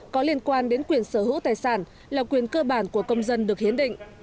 có liên quan đến quyền sở hữu tài sản là quyền cơ bản của công dân được hiến định